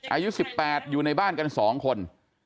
อายุ๑๘อยู่ในบ้านกัน๒คน